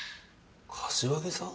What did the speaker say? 柏木さん？